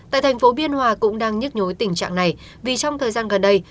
tại tp biên hòa cũng đang nhức nhối tình trạng này vì trong thời gian gần đây